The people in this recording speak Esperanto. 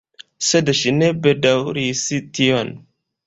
Sed ŝi ne bedaŭris tion.